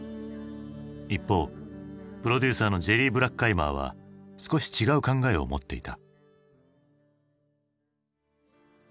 一方プロデューサーのジェリー・ブラッカイマーは少し違う考えを持っていた。